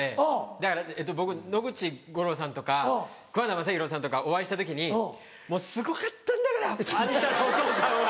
だから僕野口五郎さんとか桑名正博さんとかお会いした時に「もうすごかったんだから！あんたのお父さんは。